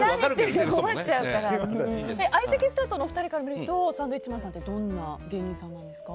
相席スタートのお二人から見るとサンドウィッチマンさんってどんな芸人さんですか？